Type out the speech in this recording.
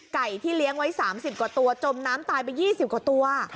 ที่เลี้ยงไว้๓๐กว่าตัวจมน้ำตายไป๒๐กว่าตัว